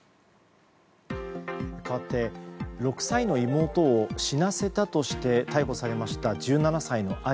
かわって６歳の妹を死なせたとして逮捕されました１７歳の兄。